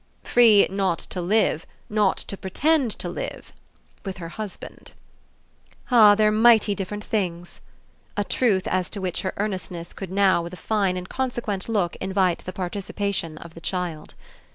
"Free not to live, not to pretend to live, with her husband." "Ah they're mighty different things!" a truth as to which her earnestness could now with a fine inconsequent look invite the participation of the child.